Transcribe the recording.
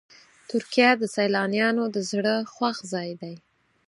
ترکیه د سیلانیانو د زړه خوښ ځای دی.